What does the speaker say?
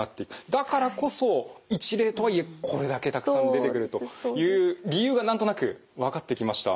だからこそ一例とはいえこれだけたくさん出てくるという理由が何となく分かってきました。